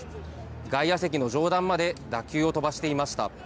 外野席の上段まで打球を飛ばしていました。